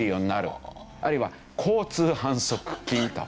あるいは交通反則金と。